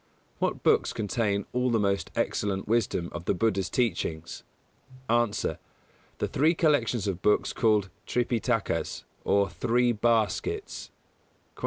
What books contain all the most excellent wisdom of the Buddha's teachings? A. The three collections of books called Tripitakas or "Three Baskets". 162.